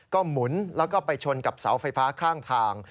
ก็หมุนแล้วก็ไปชนกับเสาไฟฟ้าข้างทาง